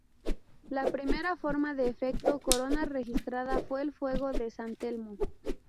La primera forma de efecto corona registrada fue el fuego de San Telmo.